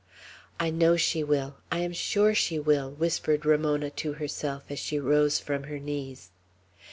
"I know she will! I am sure she will!" whispered Ramona to herself as she rose from her knees.